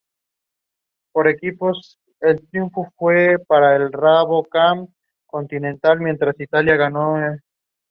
Esta fue la última batalla de la guerra creek.